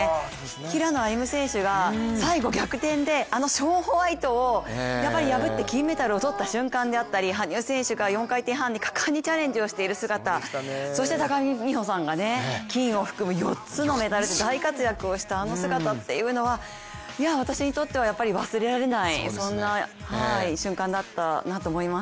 平野歩夢選手が最後逆転であのショーン・ホワイトをやっぱり破って金メダルを取った瞬間であったり、羽生選手が４回転半に果敢にチャレンジしている姿、そして高木美帆さんが金を含む４つのメダルで大活躍をしたあの姿というのは私にとっては忘れられない、そんな瞬間だったなと思います。